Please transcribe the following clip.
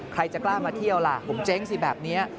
ใครจะกล้ามาเที่ยวล่ะผมเจ๊งสิแบบนี้